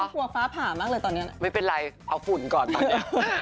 กลัวฟ้าผ่ามากเลยตอนนี้ไม่เป็นไรเอาฝุ่นก่อนตอนนี้